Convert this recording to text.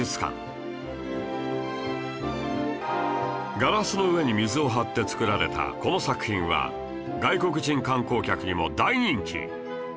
ガラスの上に水を張って作られたこの作品は外国人観光客にも大人気